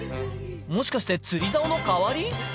もしかして釣りざおの代わり？